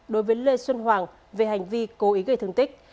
đối với lê xuân hoàng về hành vi cố ý gây thương tích